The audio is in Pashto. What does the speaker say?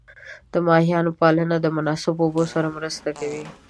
د ماهیانو پالنه د مناسب اوبو سره مرسته کوي.